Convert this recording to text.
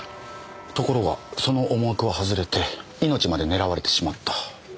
ところがその思惑は外れて命まで狙われてしまった。